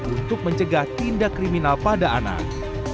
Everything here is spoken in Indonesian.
untuk mencegah tindak kriminal pada anak